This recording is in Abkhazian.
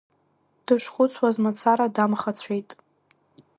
Дышхәыцуаз мацара дамхацәеит.